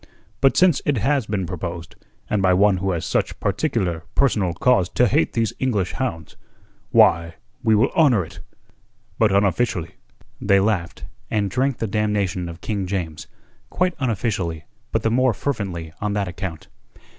But since it has been proposed, and by one who has such particular personal cause to hate these English hounds, why, we will honour it but unofficially." They laughed, and drank the damnation of King James quite unofficially, but the more fervently on that account.